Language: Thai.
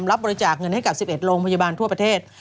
รับบริจาคเงินให้กับ๑๑โรงพยาบาลทั่วประเทศ